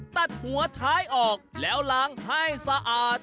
ตัดหัวท้ายออกแล้วล้างให้สะอาด